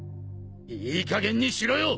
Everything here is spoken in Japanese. いいかげんにしろよ！